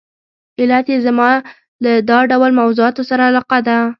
علت یې زما له دا ډول موضوعاتو سره علاقه ده.